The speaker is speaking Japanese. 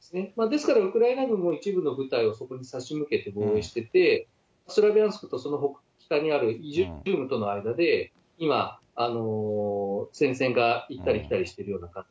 ですからウクライナ軍の一部の部隊をそこに差し向けて防衛してて、スラビャンスクと、その北にあるとの間で今、戦線が行ったり来たりしてるような形。